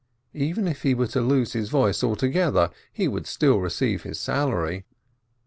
Even if he were to lose his voice altogether, he would still receive his salary.